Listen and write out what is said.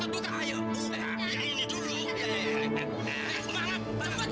ikut itu bang